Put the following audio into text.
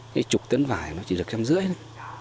cái chục tấn vải nó chỉ được trăm rưỡi thôi